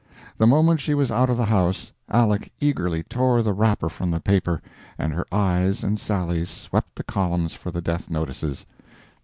The moment she was out of the house, Aleck eagerly tore the wrapper from the paper, and her eyes and Sally's swept the columns for the death notices.